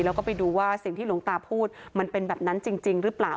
แล้วก็ไปดูว่าสิ่งที่หลวงตาพูดมันเป็นแบบนั้นจริงหรือเปล่า